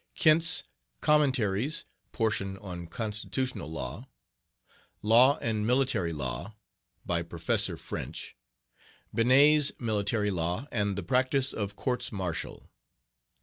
Kent's Commentaries (portion on Constitutional Law). Law and Military Law, by Prof. French. Benet's Military Law and the Practice of Courts Martial.